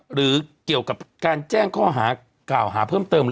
หรือเกี่ยวกับการแจ้งข้อหากล่าวหาเพิ่มเติม